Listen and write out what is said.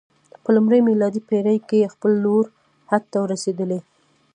په لومړۍ میلادي پېړۍ کې خپل لوړ حد ته رسېدلی.